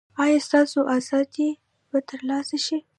ایا ستاسو ازادي به ترلاسه شي؟